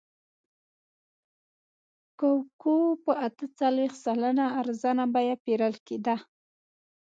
کوکو په اته څلوېښت سلنه ارزانه بیه پېرل کېده.